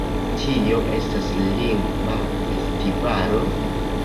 Kio estas Lingva Festivalo?